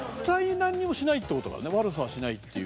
悪さはしないっていう。